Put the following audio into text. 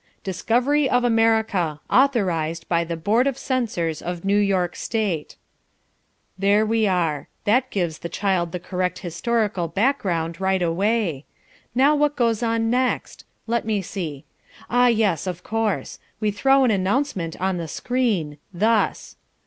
DISCOVERY OF AMERICA AUTHORIZED BY THE BOARD OF CENSORS OF NEW YORK STATE There we are. That gives the child the correct historical background right away. Now what goes on next? Let me see. Ah, yes, of course. We throw an announcement on the screen, thus.